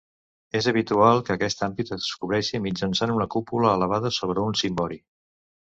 És habitual que aquest àmbit es cobreixi mitjançant una cúpula elevada sobre un cimbori.